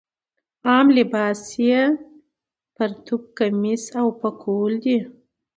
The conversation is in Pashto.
عام لباس یې پرتوګ کمیس او پکول دی.